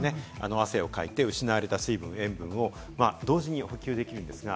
汗をかいて失われた塩分・水分を同時に補給できます。